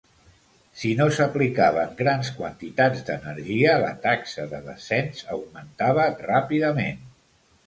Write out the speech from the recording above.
Si no s'aplicaven grans quantitats d'energia, la taxa de descens augmentava ràpidament.